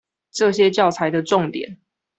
這些教材的重點